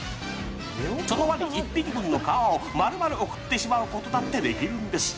ワニ１匹分の皮をまるまる贈ってしまうことだってできるんです。